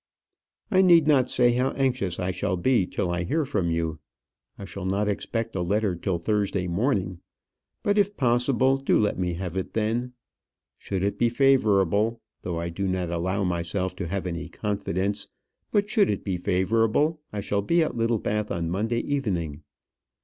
I need not say how anxious I shall be till I hear from you. I shall not expect a letter till Thursday morning; but, if possible, do let me have it then. Should it be favourable though I do not allow myself to have any confidence but should it be favourable, I shall be at Littlebath on Monday evening.